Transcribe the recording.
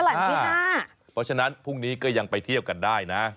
เพราะฉะนั้นพรุ่งนี้ก็ยังไปเที่ยวกันได้นะ